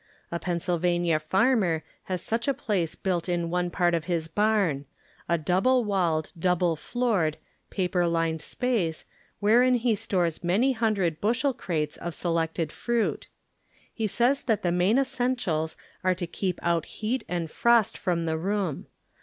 A Pennsylvania farmer has such a place built in one part of his barn ŌĆö a double walled, double door ed, paper lined space wherein he stores man^ hundred bushel crates of selected fruit. He says that the main essentials are to keep out heat and frost from the room.